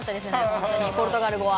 本当に、ポルトガル語は。